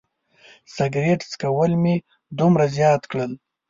سګرټ څکول مې دومره زیات کړل.